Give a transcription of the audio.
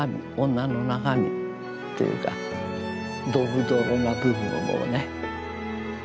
女の中身というかどろどろな部分をね。